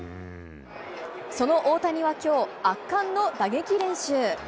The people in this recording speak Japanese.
その大谷はきょう、圧巻の打撃練習。